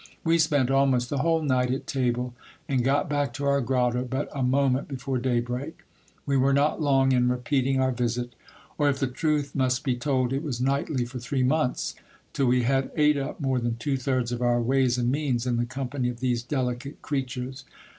We spent almost the whole night at table, and got back to our grotto but a moment before daybreak. We were not long in repeating our visit ; or, if the truth must be told, it was nightly for three months ; till we had ate up more than two thirds of our ways and means in the company of these delicate creatures.